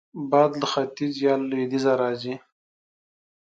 باد له ختیځ یا لوېدیځه راځي